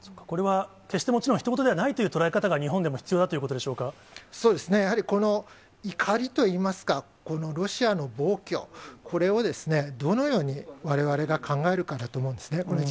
これは決して、もちろんひと事ではないという捉え方が日本でも必要だということそうですね、やはりこの怒りといいますか、このロシアの暴挙、これをどのようにわれわれが考えるかだと思うんですね。